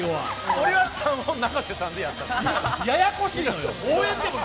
森脇さんを永瀬さんでやったんです。